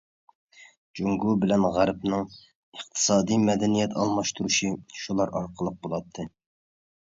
جۇڭگو بىلەن غەربىنىڭ ئىقتىسادىي، مەدەنىيەت ئالماشتۇرۇشى شۇلار ئارقىلىق بولاتتى.